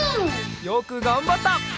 よくがんばった！